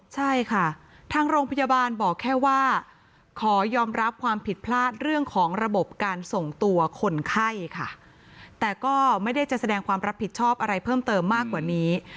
ใช่ค่ะทางโรงพยาบาลบอกแค่ว่าขอยอมรับความผิดพลาดเรื่องของระบบการส่งตัวคนไข้ค่ะแต่ก็ไม่ได้จะแสดงความรับผิดชอบอะไรเพิ่มเติมมากกว่านี้